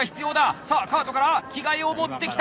さあカートから着替えを持ってきた！